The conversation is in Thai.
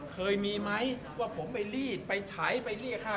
เคยมีไหมว่าผมไปลีดไปถ่ายไปเลี่ยค่ะ